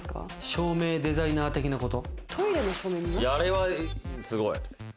照明デザイナー的なこと？